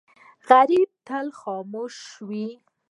غریب تل خاموش وي